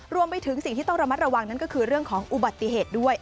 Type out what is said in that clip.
รวมไปถึงสิ่งที่ต้องระมัดระวังนั่นก็คือเรื่องของอุบัติเหตุด้วย